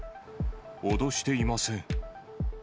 脅していません。